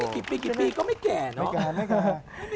พูดกุ้งกี่ปีก็ไม่แก่เนอะ